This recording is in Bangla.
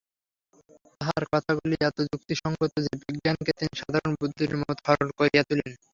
তাঁহার কথাগুলি এত যুক্তিসঙ্গত যে, বিজ্ঞানকে তিনি সাধারণ বুদ্ধির মত সরল করিয়া তুলেন।